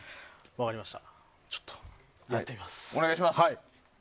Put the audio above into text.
分かりました。